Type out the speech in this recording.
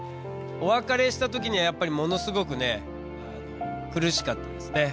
お別れしたときにはやっぱりものすごくね、苦しかったですね。